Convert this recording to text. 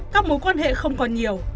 các mối quan hệ không còn nhiều